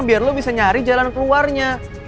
biar lo bisa nyari jalan keluarnya